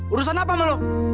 urusan apa sama lu